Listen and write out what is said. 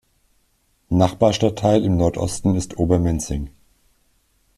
Nachbarstadtteil im Nordosten ist Obermenzing.